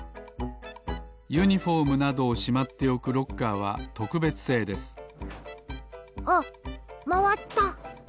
ユニフォームなどをしまっておくロッカーはとくべつせいですあっまわった！